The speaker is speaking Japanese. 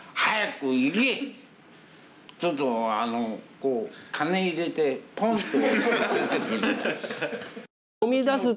ちょっとこう金入れてポンと。